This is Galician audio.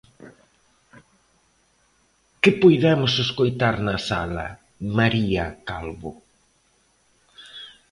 Que puidemos escoitar na sala, María Calvo?